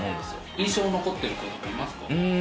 印象に残ってる子いますか？